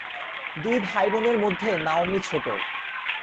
দুই ভাইবোনের মধ্যে নাওমি ছোট।